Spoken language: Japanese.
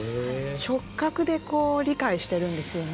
触覚で理解しているんですよね。